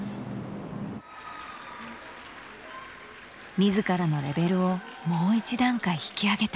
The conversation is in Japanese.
「自らのレベルをもう一段階引き上げたい」。